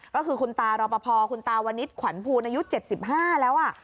ก็คือคุณตารอบพอคุณตาวนิตขวานภูนยุดเจ็ดสิบห้าแล้วอ่ะ